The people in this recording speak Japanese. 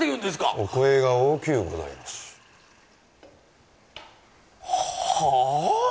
お声が大きゅうございますはあ？